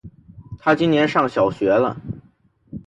他今年上小学了